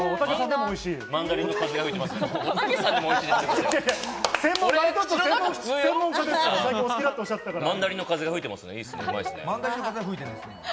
マンダリンの風が吹いています。